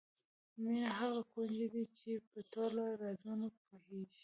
مینه هغه کونجي ده چې په ټولو رازونو پوهېږو.